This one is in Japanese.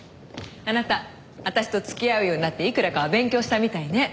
あなた私と付き合うようになっていくらかは勉強したみたいね。